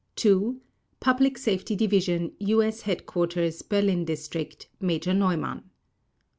TO : Public Safety Division, U.S. Headquarters, Berlin District (Major Neumann).